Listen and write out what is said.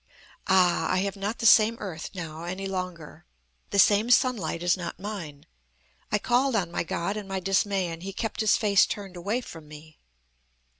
"Ah! I have not the same earth now any longer. The same sunlight is not mine. I called on my God in my dismay, and He kept His face turned away from me.